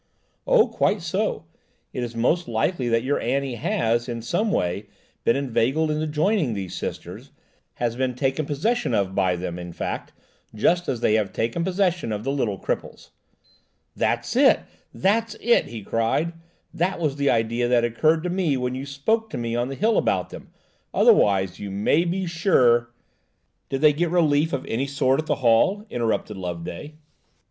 "Oh, quite so; it is most likely that your Annie has, in some way, been inveigled into joining these Sisters–has been taken possession of by them, in fact, just as they have taken possession of the little cripples." "That's it!" he cried excitedly; "that was the idea that occurred to me when you spoke to me on the hill about them, otherwise you may be sure—" "Did they get relief of any sort at the Hall?" interrupted Loveday..